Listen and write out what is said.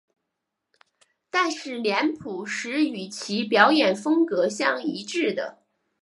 但是脸谱是与其表演风格相一致的。